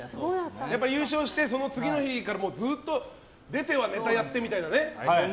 優勝して、その次の日からずっと出てはネタやってみたいなね。